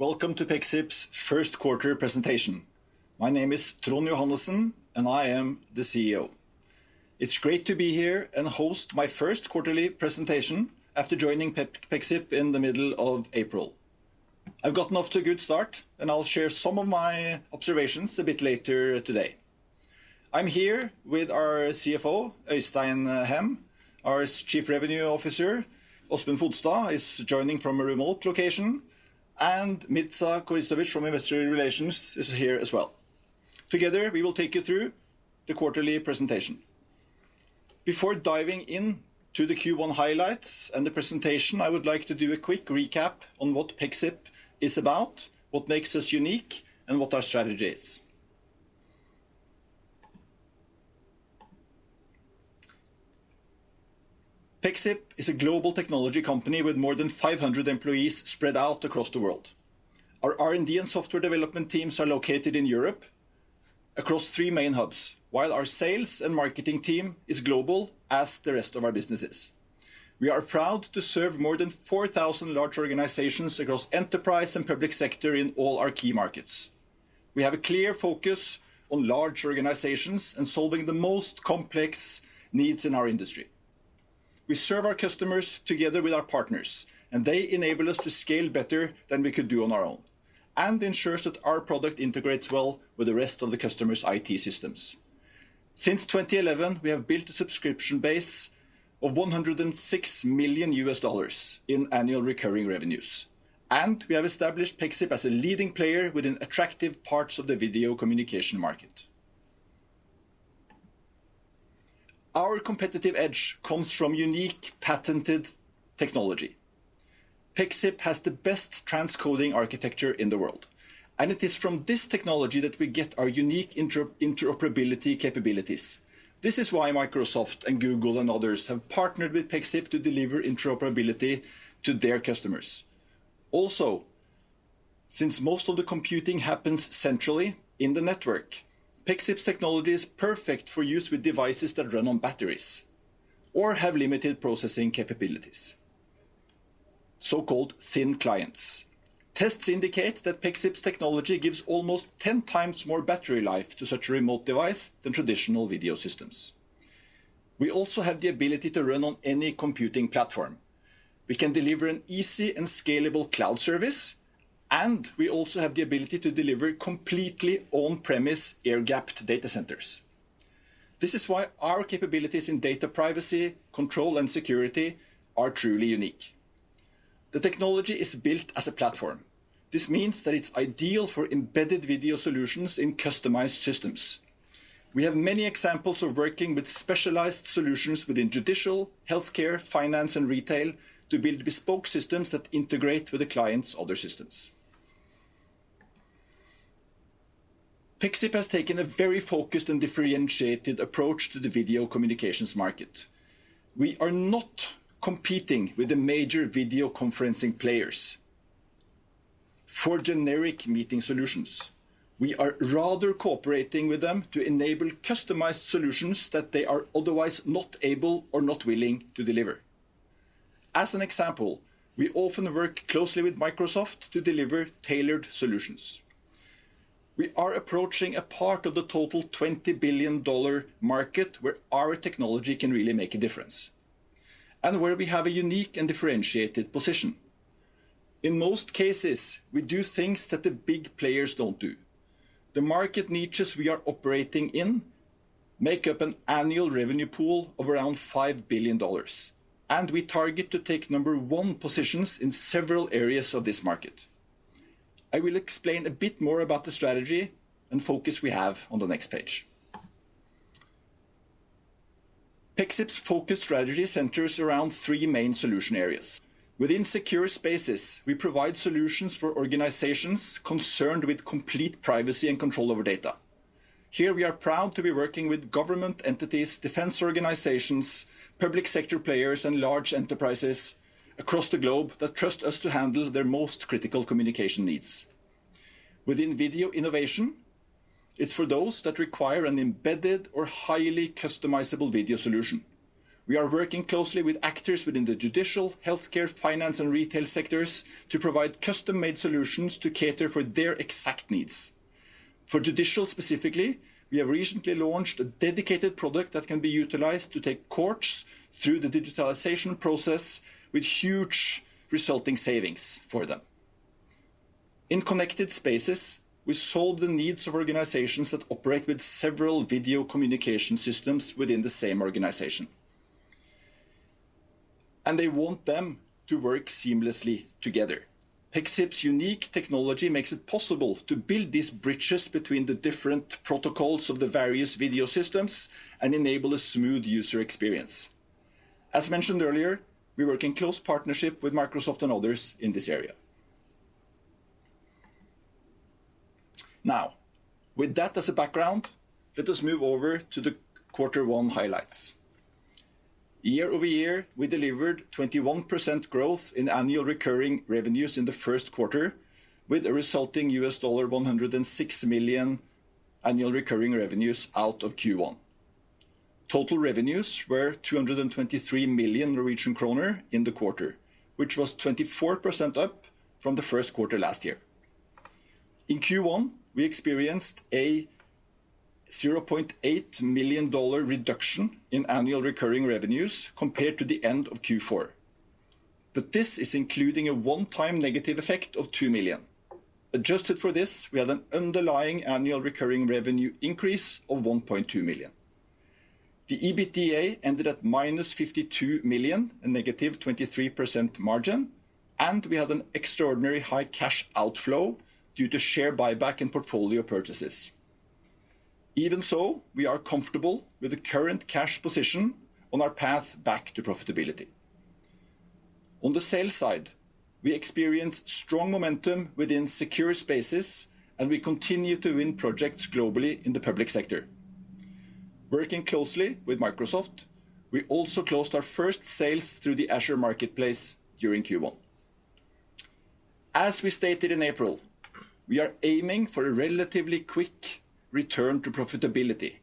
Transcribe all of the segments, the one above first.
Welcome to Pexip's first quarter presentation. My name is Trond Johannessen, and I am the CEO. It's great to be here and host my first quarterly presentation after joining Pexip in the middle of April. I've gotten off to a good start, and I'll share some of my observations a bit later today. I'm here with our CFO, Øystein Dahl Hem. Our Chief Revenue Officer, Åsmund Fodstad, is joining from a remote location, and Mirza Koristovic from Investor Relations is here as well. Together, we will take you through the quarterly presentation. Before diving into the Q1 highlights and the presentation, I would like to do a quick recap on what Pexip is about, what makes us unique, and what our strategy is. Pexip is a global technology company with more than 500 employees spread out across the world. Our R&D and software development teams are located in Europe across three main hubs, while our sales and marketing team is global, as the rest of our business is. We are proud to serve more than 4,000 large organizations across enterprise and public sector in all our key markets. We have a clear focus on large organizations and solving the most complex needs in our industry. We serve our customers together with our partners, and they enable us to scale better than we could do on our own and ensures that our product integrates well with the rest of the customer's IT systems. Since 2011, we have built a subscription base of $106 million in annual recurring revenues, and we have established Pexip as a leading player within attractive parts of the video communication market. Our competitive edge comes from unique patented technology. Pexip has the best transcoding architecture in the world, and it is from this technology that we get our unique interoperability capabilities. This is why Microsoft and Google and others have partnered with Pexip to deliver interoperability to their customers. Also, since most of the computing happens centrally in the network, Pexip's technology is perfect for use with devices that run on batteries or have limited processing capabilities, so-called thin clients. Tests indicate that Pexip's technology gives almost 10x more battery life to such a remote device than traditional video systems. We also have the ability to run on any computing platform. We can deliver an easy and scalable cloud service, and we also have the ability to deliver completely on-premise air-gapped data centers. This is why our capabilities in data privacy, control, and security are truly unique. The technology is built as a platform. This means that it's ideal for embedded video solutions in customized systems. We have many examples of working with specialized solutions within judicial, healthcare, finance, and retail to build bespoke systems that integrate with the client's other systems. Pexip has taken a very focused and differentiated approach to the video communications market. We are not competing with the major video conferencing players for generic meeting solutions. We are rather cooperating with them to enable customized solutions that they are otherwise not able or not willing to deliver. As an example, we often work closely with Microsoft to deliver tailored solutions. We are approaching a part of the total $20 billion market where our technology can really make a difference and where we have a unique and differentiated position. In most cases, we do things that the big players don't do. The market niches we are operating in make up an annual revenue pool of around $5 billion, and we target to take number one positions in several areas of this market. I will explain a bit more about the strategy and focus we have on the next page. Pexip's focus strategy centers around three main solution areas. Within Secure Spaces, we provide solutions for organizations concerned with complete privacy and control over data. Here, we are proud to be working with government entities, defense organizations, public sector players, and large enterprises across the globe that trust us to handle their most critical communication needs. Within Video Innovation, it's for those that require an embedded or highly customizable video solution. We are working closely with actors within the judicial, healthcare, finance, and retail sectors to provide custom-made solutions to cater for their exact needs. For judicial specifically, we have recently launched a dedicated product that can be utilized to take courts through the digitalization process with huge resulting savings for them. In Connected Spaces, we solve the needs of organizations that operate with several video communication systems within the same organization, and they want them to work seamlessly together. Pexip's unique technology makes it possible to build these bridges between the different protocols of the various video systems and enable a smooth user experience. As mentioned earlier, we work in close partnership with Microsoft and others in this area. Now, with that as a background, let us move over to the quarter one highlights. Year-over-year, we delivered 21% growth in annual recurring revenues in the first quarter with a resulting $106 million annual recurring revenues out of Q1. Total revenues were 223 million Norwegian kroner in the quarter, which was 24% up from the first quarter last year. In Q1, we experienced a $0.8 million reduction in annual recurring revenues compared to the end of Q4. This is including a one-time negative effect of 2 million. Adjusted for this, we had an underlying annual recurring revenue increase of 1.2 million. The EBITDA ended at -52 million, a -23% margin, and we had an extraordinary high cash outflow due to share buyback and portfolio purchases. Even so, we are comfortable with the current cash position on our path back to profitability. On the sales side, we experienced strong momentum within Secure Spaces, and we continue to win projects globally in the public sector. Working closely with Microsoft, we also closed our first sales through the Azure Marketplace during Q1. As we stated in April, we are aiming for a relatively quick return to profitability,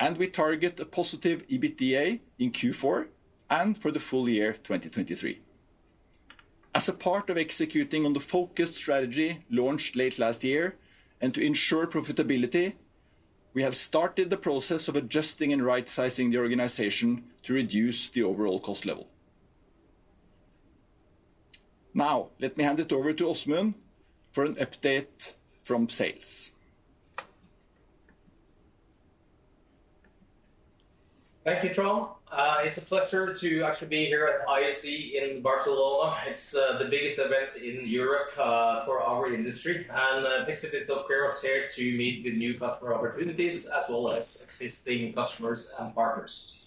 and we target a positive EBITDA in Q4 and for the full year of 2023. As a part of executing on the focus strategy launched late last year and to ensure profitability, we have started the process of adjusting and rightsizing the organization to reduce the overall cost level. Now let me hand it over to Åsmund for an update from sales. Thank you, Trond. It's a pleasure to actually be here at ISE in Barcelona. It's the biggest event in Europe for our industry, and Pexip is of course here to meet with new customer opportunities as well as existing customers and partners.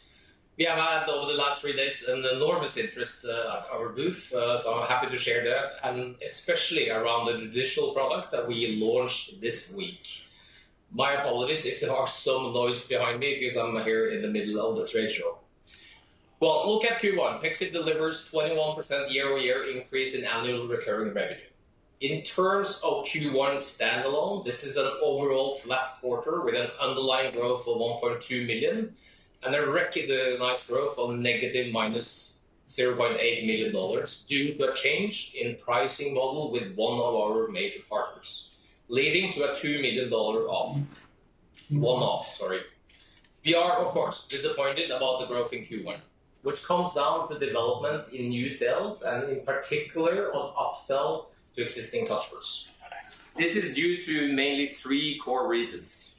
We have had over the last three days an enormous interest at our booth, so I'm happy to share that, and especially around the judicial product that we launched this week. My apologies if there are some noise behind me because I'm here in the middle of the trade show. Well, look at Q1. Pexip delivers 21% year-over-year increase in annual recurring revenue. In terms of Q1 standalone, this is an overall flat quarter with an underlying growth of 1.2 million and a recognized growth of -$0.8 million due to a change in pricing model with one of our major partners, leading to a $2 million one-off. Sorry. We are, of course, disappointed about the growth in Q1, which comes down to development in new sales and in particular on upsell to existing customers. This is due to mainly three core reasons.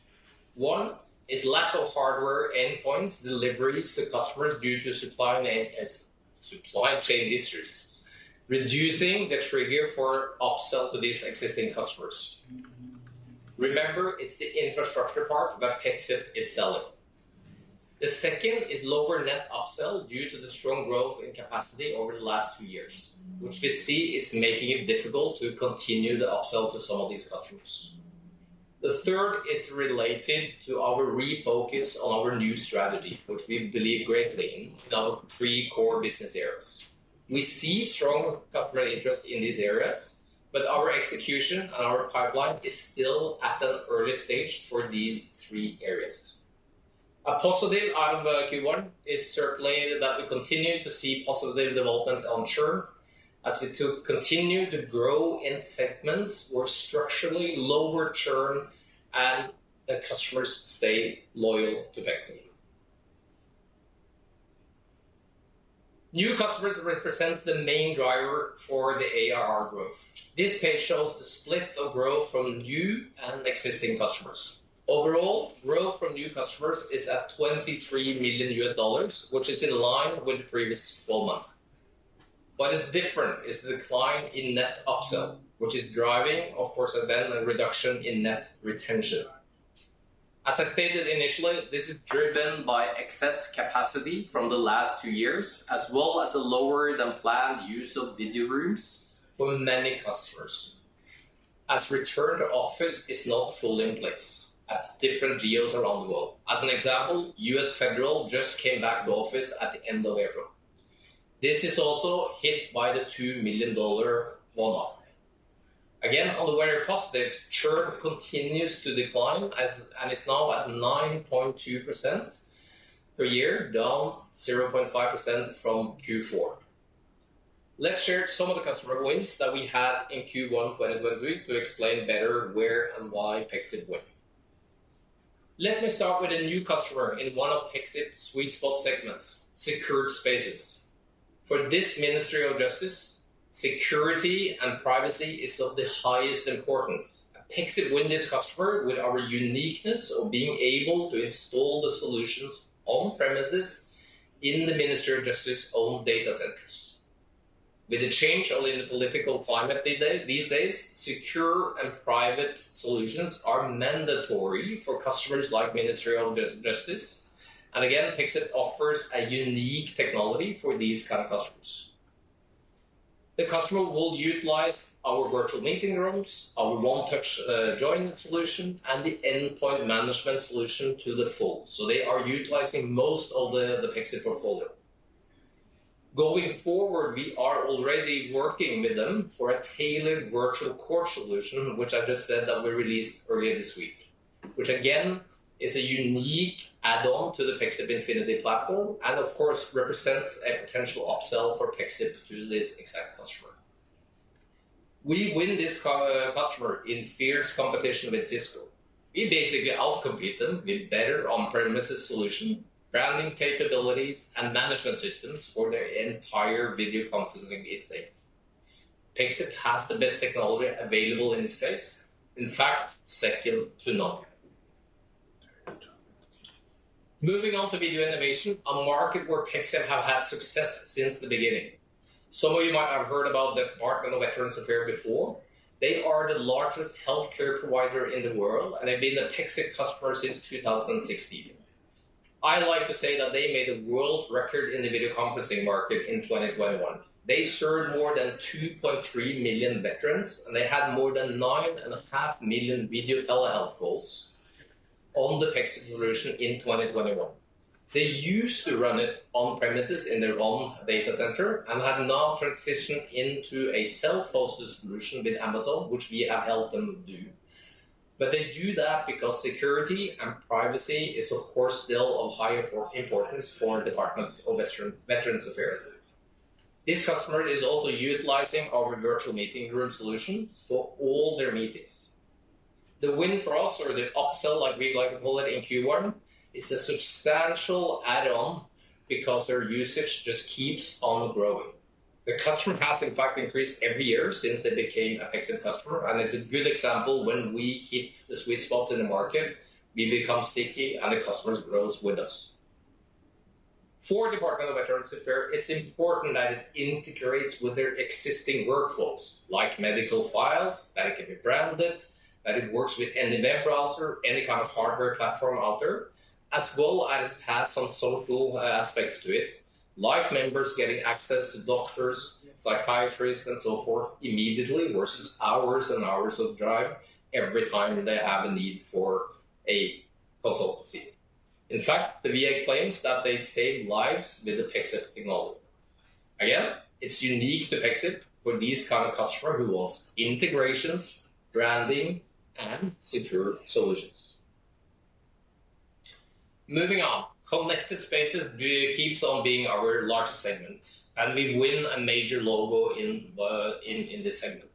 One is lack of hardware endpoints deliveries to customers due to supply chain issues, reducing the trigger for upsell to these existing customers. Remember, it's the infrastructure part that Pexip is selling. The second is lower net upsell due to the strong growth in capacity over the last two years, which we see is making it difficult to continue to upsell to some of these customers. The third is related to our refocus on our new strategy, which we believe greatly in our three core business areas. We see strong customer interest in these areas, but our execution and our pipeline is still at an early stage for these three areas. A positive out of Q1 is certainly that we continue to see positive development on churn as we continue to grow in segments where structurally lower churn and the customers stay loyal to Pexip. New customers represents the main driver for the ARR growth. This page shows the split of growth from new and existing customers. Overall, growth from new customers is at $23 million, which is in line with the previous full month. What is different is the decline in net upsell, which is driving, of course, a net reduction in net retention. As I stated initially, this is driven by excess capacity from the last two years, as well as a lower-than-planned use of video rooms for many customers, as return to office is not fully in place at different geos around the world. As an example, U.S. federal just came back to office at the end of April. This is also hit by the $2 million one-off. Again, on the brighter side, this churn continues to decline, and it's now at 9.2% per year, down 0.5% from Q4. Let's share some of the customer wins that we had in Q1 2023 to explain better where and why Pexip win. Let me start with a new customer in one of Pexip's sweet spot segments, Secure Spaces. For this Ministry of Justice, security and privacy is of the highest importance. Pexip win this customer with our uniqueness of being able to install the solutions on premises in the Ministry of Justice own data centers. With the change in the political climate these days, secure and private solutions are mandatory for customers like Ministry of Justice. Pexip offers a unique technology for these kind of customers. The customer will utilize our virtual meeting rooms, our One-Touch Join solution, and the endpoint management solution to the full. They are utilizing most of the Pexip portfolio. Going forward, we are already working with them for a tailored Virtual Courts solution, which I just said that we released earlier this week, which again is a unique add-on to the Pexip Infinity platform and of course represents a potential upsell for Pexip to this exact customer. We win this customer in fierce competition with Cisco. We basically out-compete them with better on-premises solution, branding capabilities, and management systems for their entire video conferencing estate. Pexip has the best technology available in this space, in fact, second to none. Moving on to Video Innovation, a market where Pexip have had success since the beginning. Some of you might have heard about the Department of Veterans Affairs before. They are the largest healthcare provider in the world, and they've been a Pexip customer since 2016. I like to say that they made a world record in the video conferencing market in 2021. They served more than 2.3 million veterans, and they had more than 9.5 million video telehealth calls on the Pexip solution in 2021. They used to run it on-premises in their own data center and have now transitioned into a self-hosted solution with Amazon, which we have helped them do. They do that because security and privacy is of course still of high importance for the Department of Veterans Affairs. This customer is also utilizing our virtual meeting room solution for all their meetings. The win for us or the upsell, like we like to call it in Q1, is a substantial add-on because their usage just keeps on growing. The customer has in fact increased every year since they became a Pexip customer, and it's a good example when we hit the sweet spot in the market, we become sticky and the customers grows with us. For Department of Veterans Affairs, it's important that it integrates with their existing workflows, like medical files, that it can be branded, that it works with any web browser, any kind of hardware platform out there, as well as have some social aspects to it, like members getting access to doctors, psychiatrists and so forth immediately versus hours and hours of drive every time they have a need for a consultancy. In fact, the VA claims that they save lives with the Pexip technology. Again, it's unique to Pexip for these kind of customer who wants integrations, branding, and secure solutions. Moving on, Connected Spaces keeps on being our largest segment, and we win a major logo in this segment.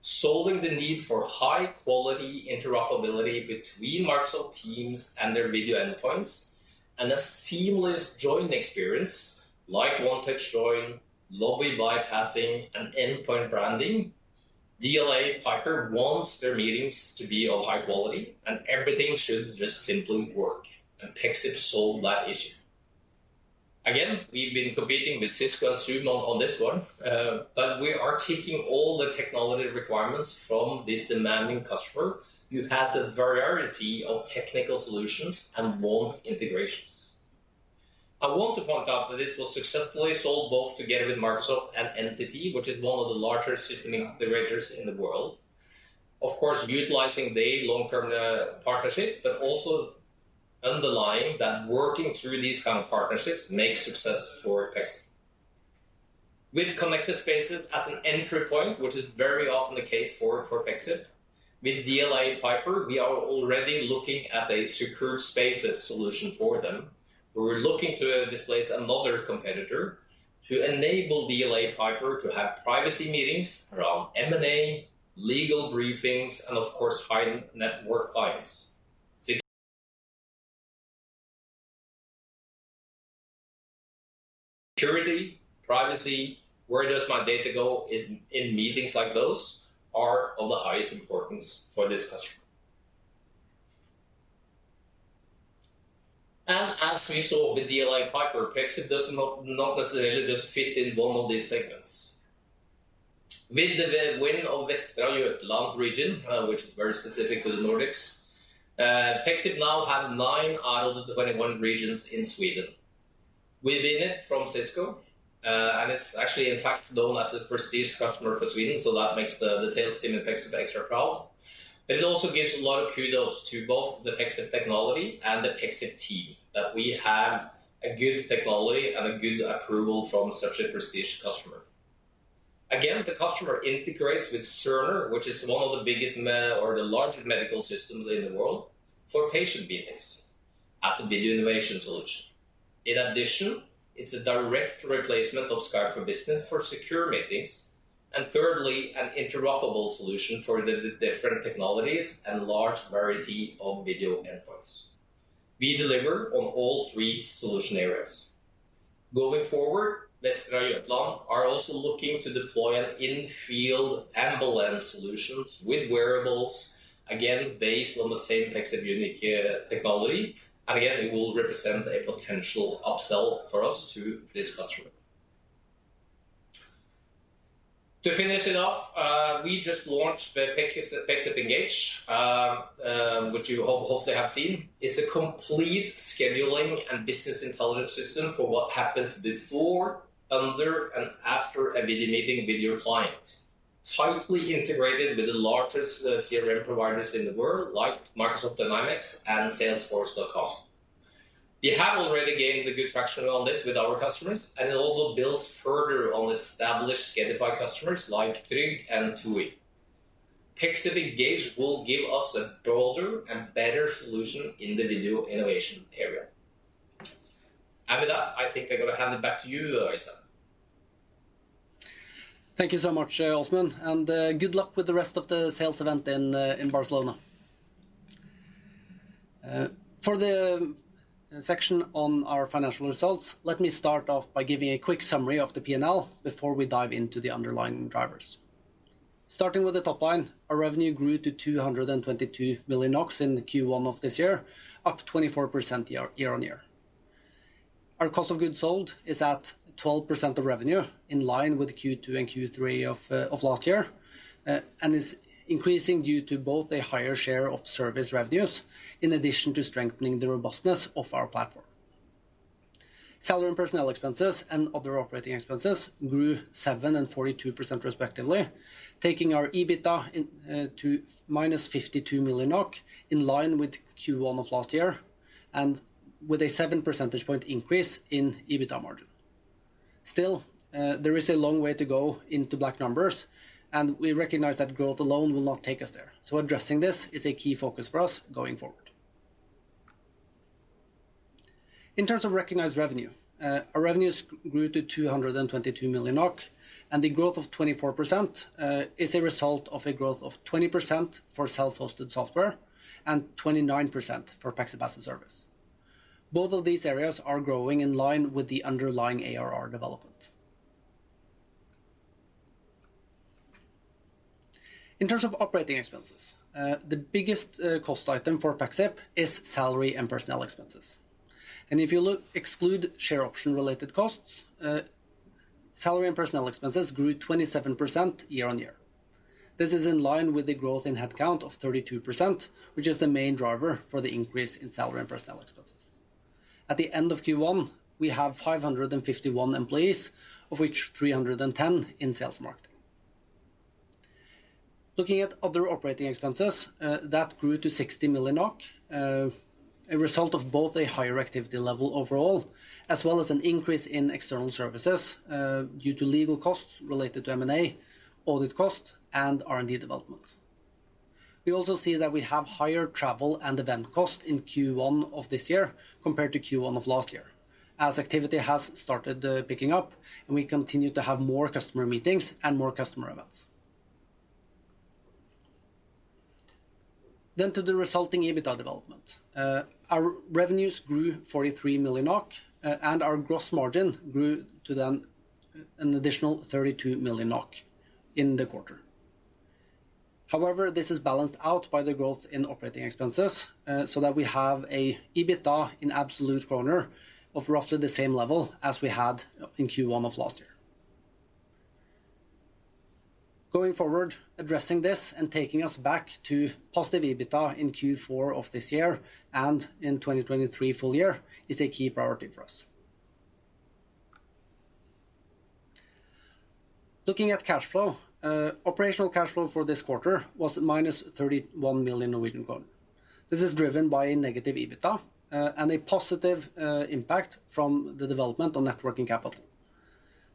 Solving the need for high quality interoperability between Microsoft Teams and their video endpoints and a seamless join experience like One-Touch Join, lobby bypassing, and endpoint branding, DLA Piper wants their meetings to be of high quality and everything should just simply work, and Pexip solved that issue. Again, we've been competing with Cisco and Zoom on this one, but we are taking all the technology requirements from this demanding customer who has a variety of technical solutions and want integrations. I want to point out that this was successfully sold both together with Microsoft and NTT, which is one of the larger system integrators in the world. Of course, utilizing their long-term partnership, but also underlying that working through these kind of partnerships makes success for Pexip. With Connected Spaces as an entry point, which is very often the case for Pexip, with DLA Piper, we are already looking at a Secure Spaces solution for them. We're looking to displace another competitor to enable DLA Piper to have privacy meetings around M&A, legal briefings, and of course high-net-worth clients. Security, privacy, where does my data go is in meetings like those are of the highest importance for this customer. As we saw with DLA Piper, Pexip does not necessarily just fit in one of these segments. With the win of Västra Götaland region, which is very specific to the Nordics, Pexip now have nine out of the 21 regions in Sweden. We win it from Cisco, and it's actually in fact known as a prestige customer for Sweden, so that makes the sales team at Pexip extra proud. It also gives a lot of kudos to both the Pexip technology and the Pexip team that we have a good technology and a good approval from such a prestige customer. Again, the customer integrates with Cerner, which is one of the biggest or the largest medical systems in the world for patient meetings as a video innovation solution. In addition, it's a direct replacement of Skype for Business for secure meetings, and thirdly, an interoperable solution for the different technologies and large variety of video endpoints. We deliver on all three solution areas. Going forward, Västra Götaland are also looking to deploy an in-field ambulance solutions with wearables, again based on the same Pexip unique technology. Again, it will represent a potential upsell for us to this customer. To finish it off, we just launched the Pexip Engage, which you hopefully have seen. It's a complete scheduling and business intelligence system for what happens before, under, and after a video meeting with your client. Tightly integrated with the largest CRM providers in the world, like Microsoft Dynamics and Salesforce.com. We have already gained a good traction on this with our customers, and it also builds further on established Skedify customers like Tryg and TUI. Pexip Engage will give us a broader and better solution in the video innovation area. With that, I think I'm gonna hand it back to you, Øystein. Thank you so much, Åsmund, and good luck with the rest of the sales event in Barcelona. For the section on our financial results, let me start off by giving a quick summary of the P&L before we dive into the underlying drivers. Starting with the top line, our revenue grew to 222 million NOK in Q1 of this year, up 24% year-on-year. Our cost of goods sold is at 12% of revenue, in line with Q2 and Q3 of last year, and is increasing due to both a higher share of service revenues in addition to strengthening the robustness of our platform. Salary and personnel expenses and other operating expenses grew 7% and 42% respectively, taking our EBITDA to -52 million NOK, in line with Q1 of last year, and with a 7 percentage point increase in EBITDA margin. Still, there is a long way to go into black numbers, and we recognize that growth alone will not take us there, so addressing this is a key focus for us going forward. In terms of recognized revenue, our revenues grew to 222 million NOK, and the growth of 24% is a result of a growth of 20% for self-hosted software and 29% for Pexip as-a-Service. Both of these areas are growing in line with the underlying ARR development. In terms of operating expenses, the biggest cost item for Pexip is salary and personnel expenses. If you exclude share option related costs, salary and personnel expenses grew 27% year-on-year. This is in line with the growth in headcount of 32%, which is the main driver for the increase in salary and personnel expenses. At the end of Q1, we have 551 employees, of which 310 in sales and marketing. Looking at other operating expenses, that grew to 60 million NOK, a result of both a higher activity level overall, as well as an increase in external services, due to legal costs related to M&A, audit costs, and R&D development. We also see that we have higher travel and event costs in Q1 of this year compared to Q1 of last year, as activity has started picking up and we continue to have more customer meetings and more customer events. To the resulting EBITDA development. Our revenues grew 43 million NOK, and our gross margin grew to then an additional 32 million NOK in the quarter. However, this is balanced out by the growth in operating expenses, so that we have an EBITDA in absolute kroner of roughly the same level as we had in Q1 of last year. Going forward, addressing this and taking us back to positive EBITDA in Q4 of this year and in 2023 full year is a key priority for us. Looking at cash flow, operational cash flow for this quarter was -31 million. This is driven by a negative EBITDA, and a positive impact from the development of net working capital.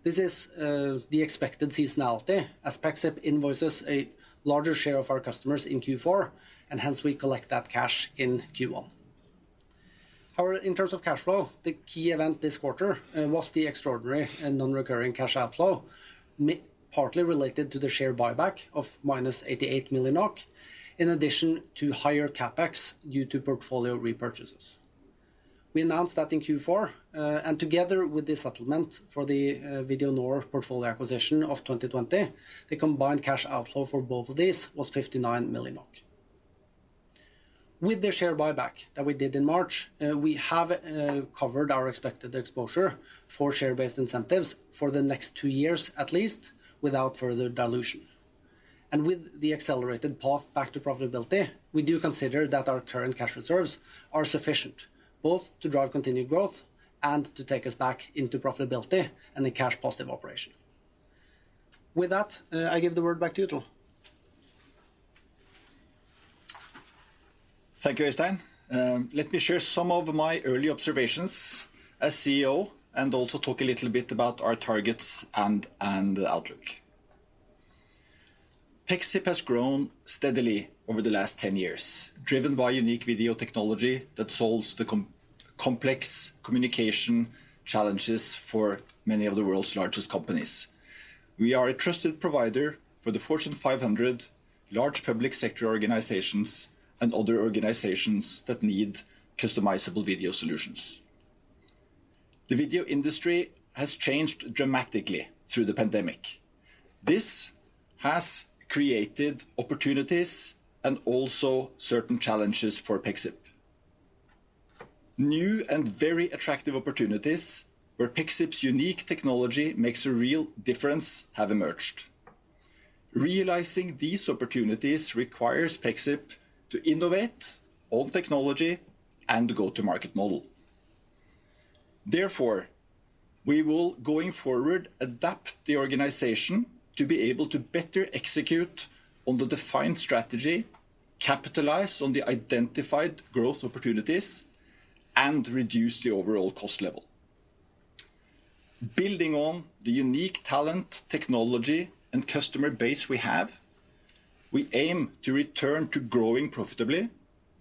This is the expected seasonality as Pexip invoices a larger share of our customers in Q4, and hence we collect that cash in Q1. However, in terms of cash flow, the key event this quarter was the extraordinary and non-recurring cash outflow, partly related to the share buyback of minus 88 million, in addition to higher CapEx due to portfolio repurchases. We announced that in Q4, and together with the settlement for the Videonor portfolio acquisition of 2020, the combined cash outflow for both of these was 59 million. With the share buyback that we did in March, we have covered our expected exposure for share-based incentives for the next two years, at least, without further dilution. With the accelerated path back to profitability, we do consider that our current cash reserves are sufficient, both to drive continued growth and to take us back into profitability and a cash positive operation. With that, I give the floor back to you, Trond. Thank you, Øystein. Let me share some of my early observations as CEO and also talk a little bit about our targets and outlook. Pexip has grown steadily over the last 10 years, driven by unique video technology that solves the complex communication challenges for many of the world's largest companies. We are a trusted provider for the Fortune 500, large public sector organizations, and other organizations that need customizable video solutions. The video industry has changed dramatically through the pandemic. This has created opportunities and also certain challenges for Pexip. New and very attractive opportunities where Pexip's unique technology makes a real difference have emerged. Realizing these opportunities requires Pexip to innovate on technology and go-to-market model. Therefore, we will, going forward, adapt the organization to be able to better execute on the defined strategy, capitalize on the identified growth opportunities, and reduce the overall cost level. Building on the unique talent, technology, and customer base we have, we aim to return to growing profitably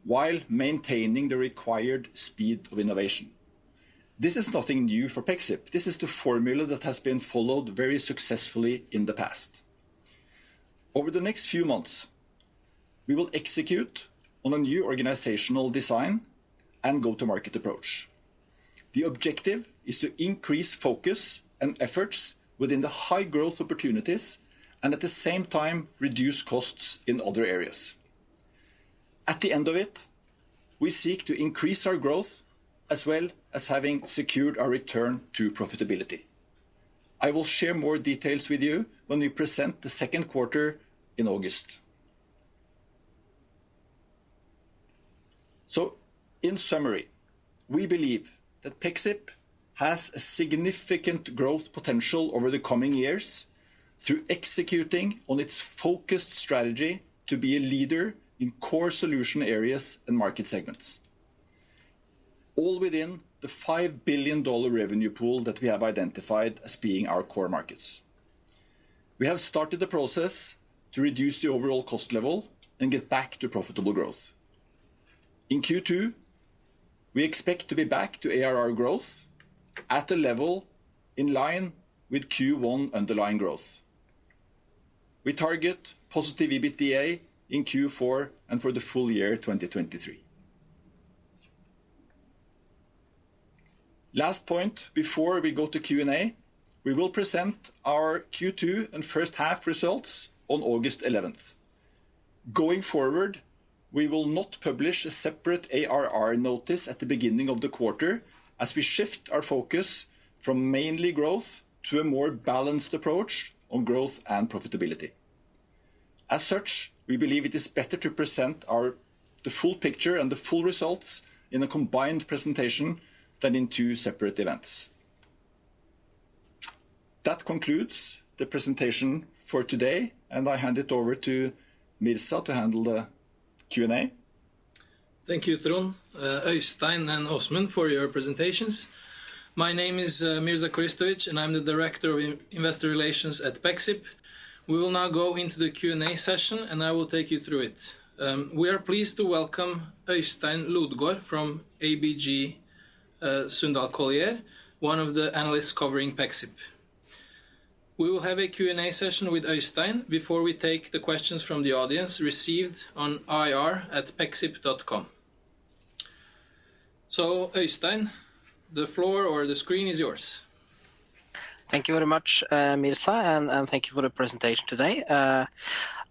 while maintaining the required speed of innovation. This is nothing new for Pexip. This is the formula that has been followed very successfully in the past. Over the next few months, we will execute on a new organizational design and go-to-market approach. The objective is to increase focus and efforts within the high-growth opportunities and at the same time reduce costs in other areas. At the end of it, we seek to increase our growth, as well as having secured our return to profitability. I will share more details with you when we present the second quarter in August. In summary, we believe that Pexip has a significant growth potential over the coming years through executing on its focused strategy to be a leader in core solution areas and market segments, all within the $5 billion revenue pool that we have identified as being our core markets. We have started the process to reduce the overall cost level and get back to profitable growth. In Q2, we expect to be back to ARR growth at a level in line with Q1 underlying growth. We target positive EBITDA in Q4 and for the full year 2023. Last point before we go to Q&A, we will present our Q2 and first half results on August 11th. Going forward, we will not publish a separate ARR notice at the beginning of the quarter as we shift our focus from mainly growth to a more balanced approach on growth and profitability. As such, we believe it is better to present the full picture and the full results in a combined presentation than in two separate events. That concludes the presentation for today, and I hand it over to Mirza to handle the Q&A. Thank you, Trond, Øystein, and Åsmund for your presentations. My name is Mirza Koristovic, and I'm the Director of Investor Relations at Pexip. We will now go into the Q&A session, and I will take you through it. We are pleased to welcome Øystein Lodgaard from ABG Sundal Collier, one of the analysts covering Pexip. We will have a Q&A session with Øystein before we take the questions from the audience received on ir@pexip.com. Øystein, the floor or the screen is yours. Thank you very much, Mirza, and thank you for the presentation today.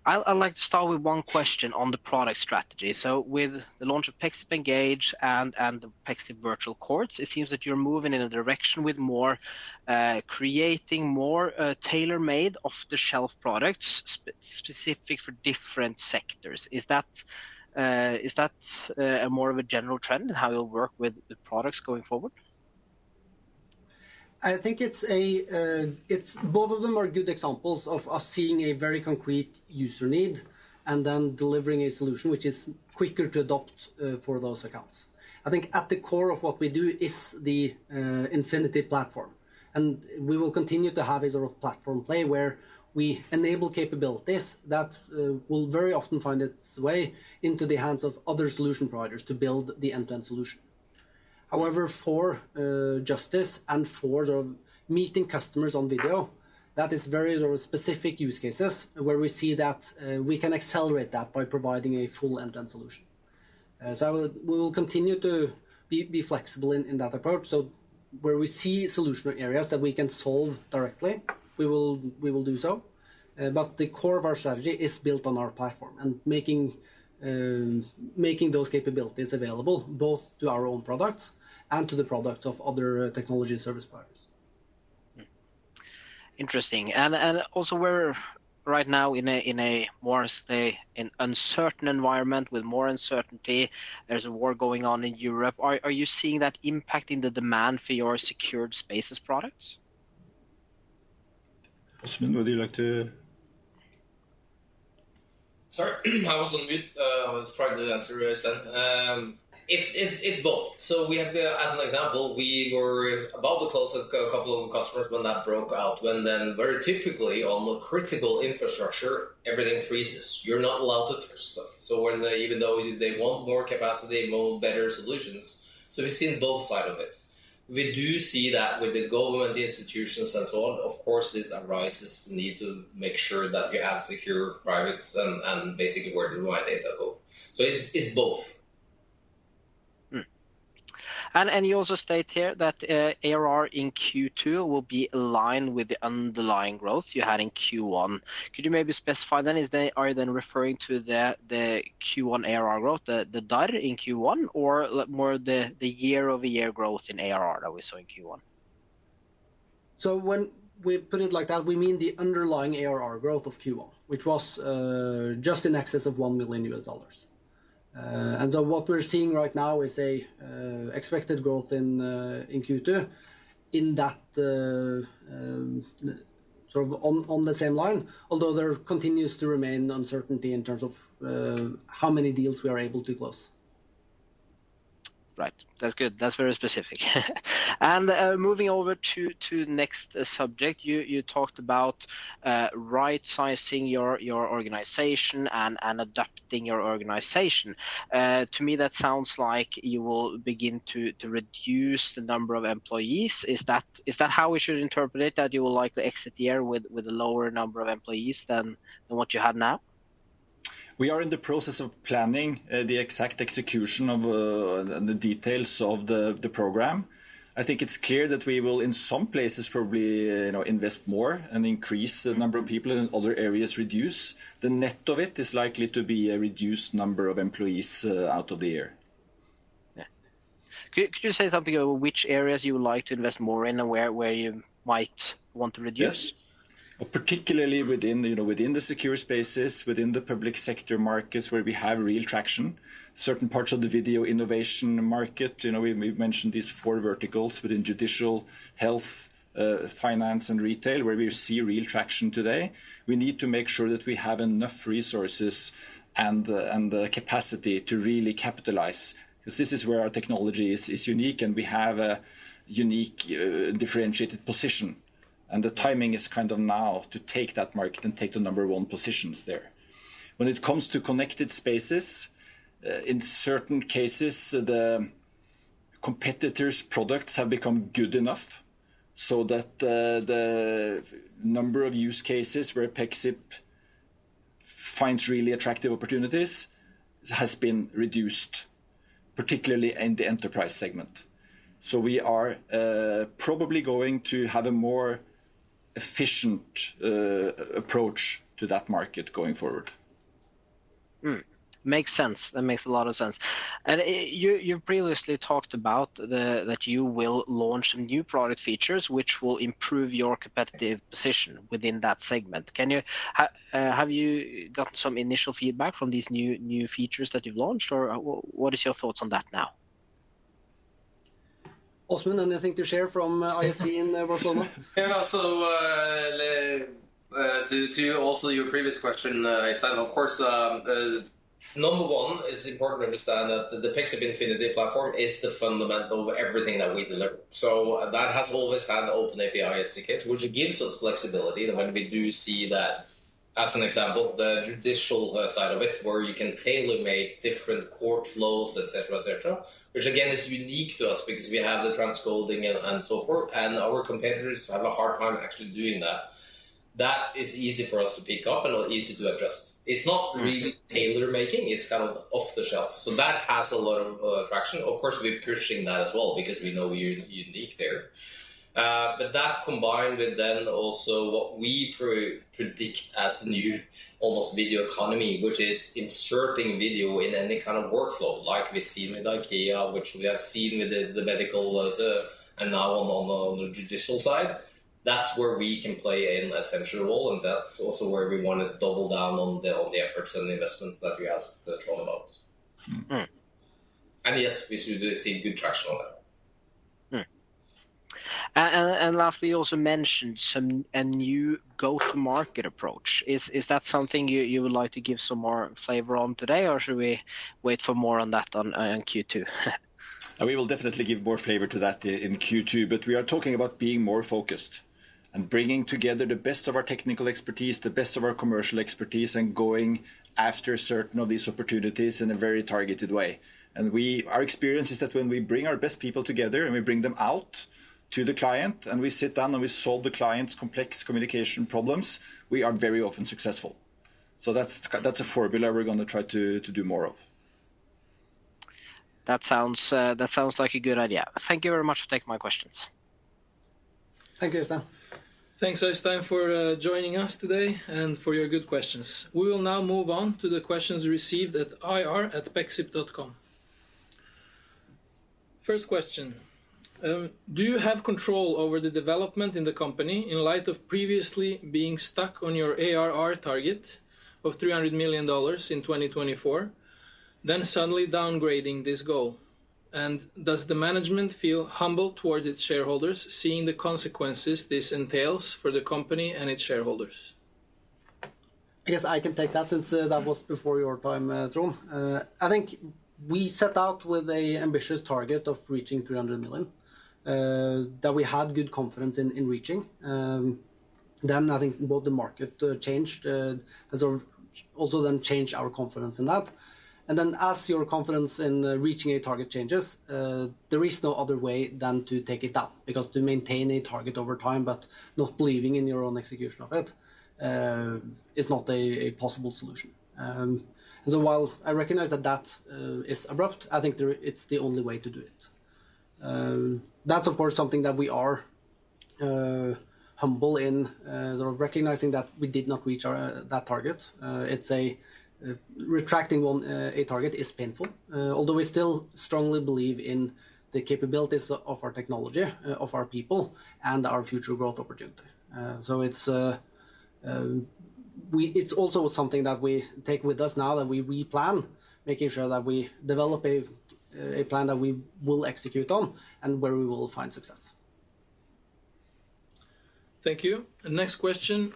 I'd like to start with one question on the product strategy. With the launch of Pexip Engage and the Pexip Virtual Courts, it seems that you're moving in a direction with more creating more tailor-made off-the-shelf products specific for different sectors. Is that more of a general trend in how you'll work with the products going forward? I think both of them are good examples of us seeing a very concrete user need and then delivering a solution which is quicker to adopt for those accounts. I think at the core of what we do is the Infinity platform, and we will continue to have a sort of platform play where we enable capabilities that will very often find its way into the hands of other solution providers to build the end-to-end solution. However, for justice and for the meeting customers on video, that is very sort of specific use cases where we see that we can accelerate that by providing a full end-to-end solution. We will continue to be flexible in that approach. Where we see solution areas that we can solve directly, we will do so. The core of our strategy is built on our platform and making those capabilities available both to our own products and to the products of other technology service providers. Interesting. Also we're right now in a more, say, an uncertain environment with more uncertainty. There's a war going on in Europe. Are you seeing that impacting the demand for your Secure Spaces products? Åsmund, would you like to? Sorry, I was on mute. I was trying to answer Øystein. It's both. As an example, we were about to close a couple of customers when that broke out, then very typically on the critical infrastructure, everything freezes. You're not allowed to touch stuff. Even though they want more capacity, more better solutions. We've seen both sides of it. We do see that with the government institutions and so on, of course, this arises need to make sure that we have secure platforms and basically where do my data go. It's both. You also state here that ARR in Q2 will be aligned with the underlying growth you had in Q1. Could you maybe specify then? Are you then referring to the Q1 ARR growth, the data in Q1, or more the year-over-year growth in ARR that we saw in Q1? When we put it like that, we mean the underlying ARR growth of Q1, which was just in excess of $1 million. What we're seeing right now is an expected growth in Q2 in that sort of on the same line, although there continues to remain uncertainty in terms of how many deals we are able to close. Right. That's good. That's very specific. Moving over to next subject. You talked about right-sizing your organization and adapting your organization. To me, that sounds like you will begin to reduce the number of employees. Is that how we should interpret it? That you will likely exit the year with a lower number of employees than what you have now? We are in the process of planning the exact execution of the details of the program. I think it's clear that we will in some places probably, you know, invest more and increase the number of people, in other areas reduce. The net of it is likely to be a reduced number of employees out of the year. Yeah. Could you say something about which areas you would like to invest more in and where you might want to reduce? Yes. Particularly within, you know, within the Secure Spaces, within the public sector markets where we have real traction, certain parts of the Video Innovation market. You know, we mentioned these four verticals within judicial, health, finance and retail, where we see real traction today. We need to make sure that we have enough resources and the capacity to really capitalize, because this is where our technology is unique, and we have a unique differentiated position. The timing is kind of now to take that market and take the number one positions there. When it comes to Connected Spaces, in certain cases, the competitors' products have become good enough so that the number of use cases where Pexip finds really attractive opportunities has been reduced, particularly in the enterprise segment. We are probably going to have a more efficient approach to that market going forward. Makes sense. That makes a lot of sense. You previously talked about that you will launch some new product features which will improve your competitive position within that segment. Have you gotten some initial feedback from these new features that you've launched, or what is your thoughts on that now? Åsmund, anything to share from ISE in Barcelona? Yeah. To also your previous question, Øystein, of course, number one, it's important to understand that the Pexip Infinity platform is the fundamental of everything that we deliver. That has always had open API SDKs, which gives us flexibility when we do see that, as an example, the judicial side of it, where you can tailor-make different court flows, etc, which again, is unique to us because we have the transcoding and so forth, and our competitors have a hard time actually doing that. That is easy for us to pick up and easy to adjust. It's not really tailor-making, it's kind of off the shelf. That has a lot of traction. Of course, we're pushing that as well because we know we're unique there. That combined with then also what we predict as the new almost video economy, which is inserting video in any kind of workflow like we see with IKEA, which we have seen with the medical and now on the judicial side, that's where we can play a central role, and that's also where we wanna double down on the efforts and the investments that we asked Trond about. Mm. Mm. Yes, we do see good traction on that. Lastly, you also mentioned a new go-to-market approach. Is that something you would like to give some more flavor on today, or should we wait for more on that in Q2? We will definitely give more flavor to that in Q2, but we are talking about being more focused and bringing together the best of our technical expertise, the best of our commercial expertise, and going after certain of these opportunities in a very targeted way. Our experience is that when we bring our best people together and we bring them out to the client, and we sit down and we solve the client's complex communication problems, we are very often successful. That's a formula we're gonna try to do more of. That sounds like a good idea. Thank you very much for taking my questions. Thank you, Øystein. Thanks, Øystein, for joining us today and for your good questions. We will now move on to the questions received at ir@pexip.com. First question: Do you have control over the development in the company in light of previously being stuck on your ARR target of $300 million in 2024, then suddenly downgrading this goal? And does the management feel humble towards its shareholders, seeing the consequences this entails for the company and its shareholders? I guess I can take that since that was before your time, Trond. I think we set out with an ambitious target of reaching 300 million that we had good confidence in reaching. I think both the market changed and sort of also then changed our confidence in that. As your confidence in reaching a target changes, there is no other way than to take it down, because to maintain a target over time but not believing in your own execution of it is not a possible solution. While I recognize that that is abrupt, I think it's the only way to do it. That's of course something that we are humble in the recognizing that we did not reach our that target. It's a retraction of our target is painful. Although we still strongly believe in the capabilities of our technology, our people and our future growth opportunity. It's also something that we take with us now that we plan, making sure that we develop a plan that we will execute on and where we will find success. Thank you. The next question: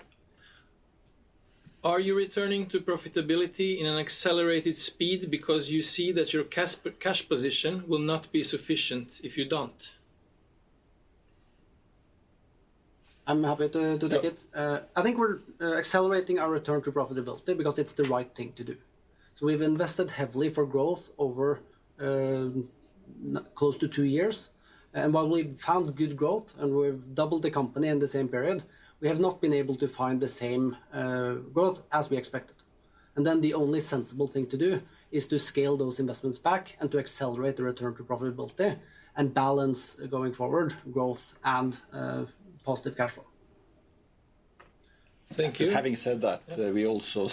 Are you returning to profitability in an accelerated speed because you see that your cash position will not be sufficient if you don't? I'm happy to take it. Yeah. I think we're accelerating our return to profitability because it's the right thing to do. We've invested heavily for growth over close to two years. While we found good growth and we've doubled the company in the same period, we have not been able to find the same growth as we expected. The only sensible thing to do is to scale those investments back and to accelerate the return to profitability and balance going forward, growth and positive cash flow. Thank you. Having said that. Yeah We also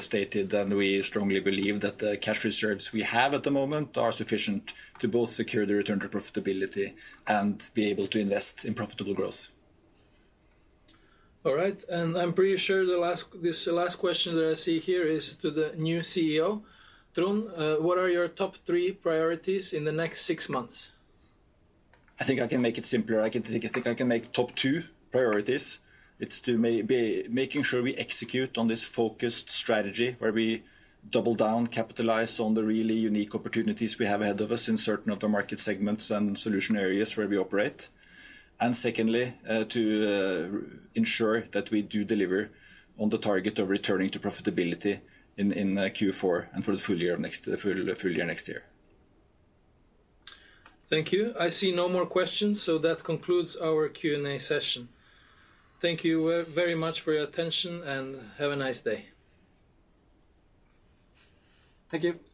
stated and we strongly believe that the cash reserves we have at the moment are sufficient to both secure the return to profitability and be able to invest in profitable growth. All right. I'm pretty sure the last question that I see here is to the new CEO. Trond, what are your top three priorities in the next six months? I think I can make it simpler. I think I can make top two priorities. It's to making sure we execute on this focused strategy where we double down, capitalize on the really unique opportunities we have ahead of us in certain of the market segments and solution areas where we operate. Secondly, to ensure that we do deliver on the target of returning to profitability in Q4 and for the full year next year. Thank you. I see no more questions, so that concludes our Q&A session. Thank you, very much for your attention, and have a nice day. Thank you.